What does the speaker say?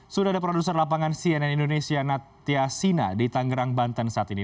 sudah ada produser lapangan cnn indonesia natya sina di tangerang banten saat ini